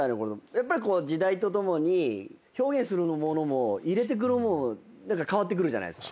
やっぱり時代と共に表現するものも入れてくるものも変わってくるじゃないですか。